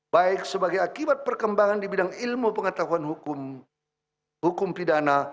baik sebagai akibat perkembangan di bidang ilmu pengetahuan hukum pidana